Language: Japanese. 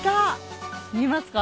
見えますか？